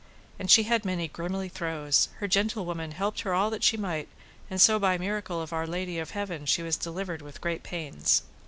And she had many grimly throes; her gentlewoman helped her all that she might, and so by miracle of Our Lady of Heaven she was delivered with great pains.